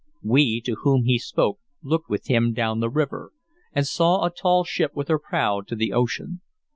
We to whom he spoke looked with him down the river, and saw a tall ship with her prow to the ocean.